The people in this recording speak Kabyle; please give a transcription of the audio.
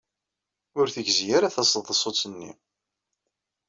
Ur tegzi ara taseḍsut-nni.